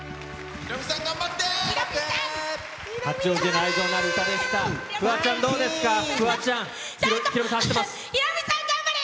ヒロミさん、頑張れ！